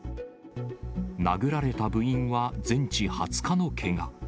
殴られた部員は全治２０日のけが。